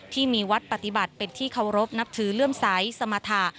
ที่มีวัดปฏิบัติเป็นที่เคารพนับถือเลื่อมใสสมรรถะ